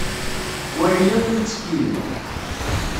wali akk imttekkiyen.